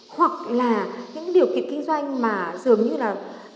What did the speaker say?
hoặc là những điều kiện kinh doanh mà dường như là